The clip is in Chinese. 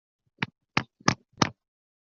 飞天扫帚。